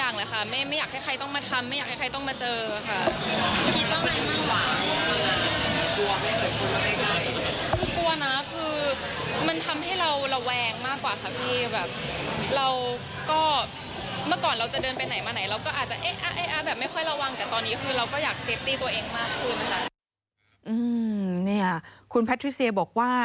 เนี่ยคุณแพทริเซียบอกว่า